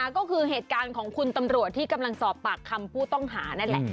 ก็คือเหตุการณ์ของคุณตำรวจที่กำลังสอบปากคำผู้ต้องหานั่นแหละ